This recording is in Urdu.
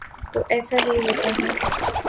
تو ایسا ہی ہوتا ہے۔